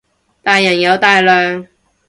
大人有大量